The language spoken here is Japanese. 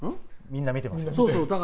みんな見てますよ！